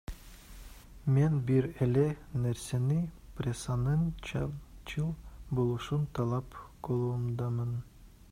Мен бир эле нерсени, прессанын чынчыл болушун талап кылуудамын.